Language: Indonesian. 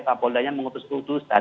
pak poldanya mengutus utusan